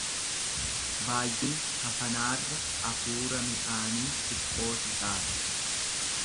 Baayyina kafanaarra afuura midhaanii xiqqootu caala.